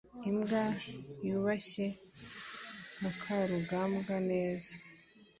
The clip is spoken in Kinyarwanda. imbwa yubashye mukarugambwa neza